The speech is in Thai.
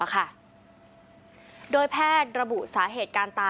และก็เอาไว้มาพิธีใจ